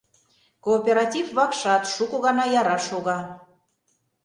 Кооператив вакшат шуко гана яра шога.